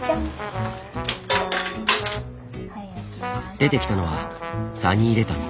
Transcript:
出てきたのはサニーレタス。